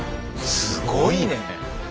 すごいね！